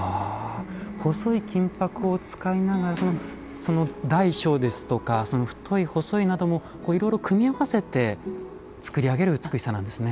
細い金ぱくを使いながら大小ですとか太い細いなどもいろいろ組み合わせて作り上げる美しさなんですね。